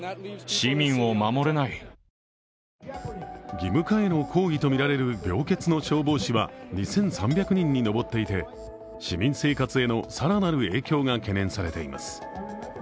義務化への抗議とみられる病欠の消防士は２３００人に上っていて市民生活への更なる影響が懸念されています。